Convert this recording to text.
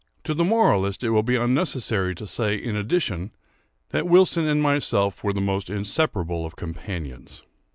To the moralist it will be unnecessary to say, in addition, that Wilson and myself were the most inseparable of companions.